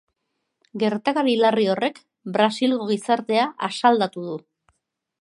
Gertakari larri horrek brasilgo gizartea asaldatu du.